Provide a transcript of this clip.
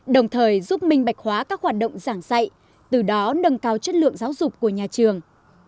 đồng thời giúp minh bạch hóa các hoạt động giảng dạy từ đó nâng cao chất lượng giáo dục của nhà trường